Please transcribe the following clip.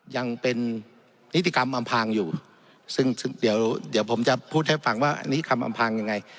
ยังเป็นนิติกรรมอำพางอยู่ซึ่งเดี๋ยวเดี๋ยวผมจะพูดให้ฟังว่าอันนี้คำอำพางยังไง